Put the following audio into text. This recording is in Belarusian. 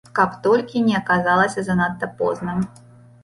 Каб толькі не аказалася занадта позна.